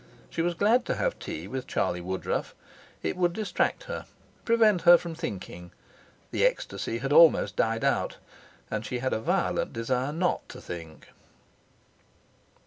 She was glad to have tea with Charlie Woodruff. It would distract her, prevent her from thinking. The ecstasy had almost died out, and she had a violent desire not to think.